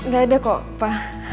gak ada kok ma